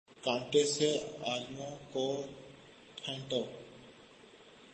کانٹے سے آلووں کو پھینٹو